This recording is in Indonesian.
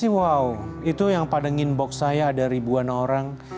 saya sih wow itu yang pada inbox saya ada ribuan orang